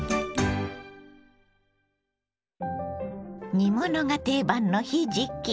煮物が定番のひじき。